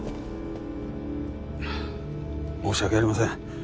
申し訳ありません。